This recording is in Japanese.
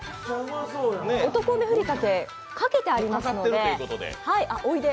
男梅ふりかけがかけてありますので。